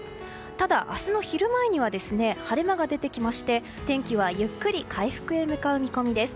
ただ、明日の昼前には晴れ間が出てきまして天気はゆっくり回復へ向かう見込みです。